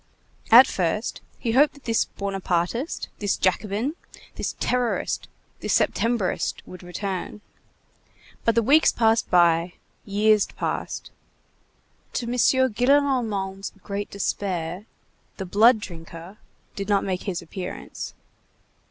At first, he hoped that this Buonapartist, this Jacobin, this terrorist, this Septembrist, would return. But the weeks passed by, years passed; to M. Gillenormand's great despair, the "blood drinker" did not make his appearance.